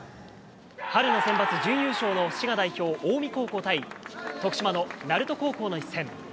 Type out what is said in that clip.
春のセンバツ準優勝の滋賀代表、近江高校対、徳島の鳴門高校の一戦。